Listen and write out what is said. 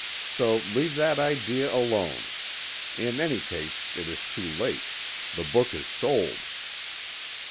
So leave that idea alone. In any case it is too late. The book is sold."